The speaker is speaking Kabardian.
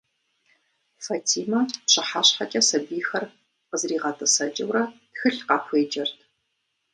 Фэтӏимэ, пщыхьэщхьэкӏэ сэбийхэр къызригъэтӏысэкӏыурэ тхылъ къахуеджэрт.